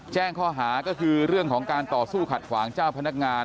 แจ้งข้อหาก็คือเรื่องของการต่อสู้ขัดขวางเจ้าพนักงาน